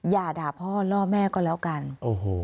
อย่าด่าพ่อล่อแม่ก็แล้วกันโอ้โห